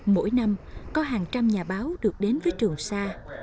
mỗi năm có hàng trăm nhà báo được đến với trường sa